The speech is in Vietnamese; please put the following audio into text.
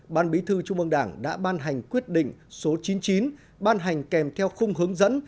ban bí thư trung ương đảng đã ban hành quyết định số chín ban hành kèm theo khung hướng dẫn